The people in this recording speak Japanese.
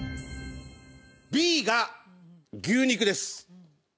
Ｂが牛肉です。